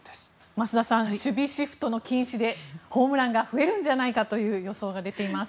増田さん守備シフトの禁止でホームランが増えるんじゃないかという予想が出ています。